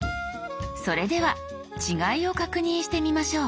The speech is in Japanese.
それでは違いを確認してみましょう。